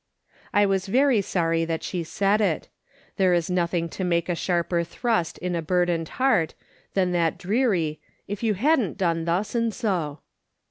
I was very sorry that she said it. There is nothing to make a sharper thrust in a burdened heart than that dreary " if you hadn't done thus and so."